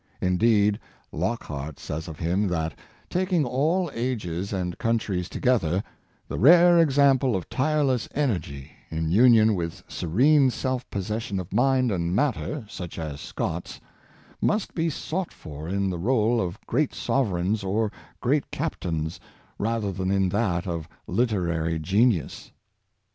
Indeed, Lockhart says of him that, taking all ages and countries together, the rare example of tire less energy, in union with serene self possession of mind and manner, such as Scott's, must be sought for in the roll of great sovereigns or great captains, rather than in that of literary genius.